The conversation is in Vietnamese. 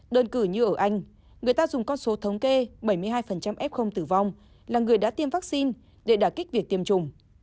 đơn cử như ở anh người ta dùng con số thống kê bảy mươi hai f tử vong là người đã tiêm vaccine để đạt kích việc tiêm chủng